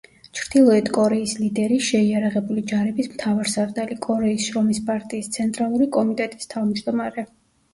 ჩრდილოეთ კორეის ლიდერი, შეიარაღებული ჯარების მთავარსარდალი, კორეის შრომის პარტიის ცენტრალური კომიტეტის თავმჯდომარე.